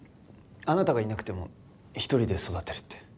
あなたがいなくても一人で育てるって。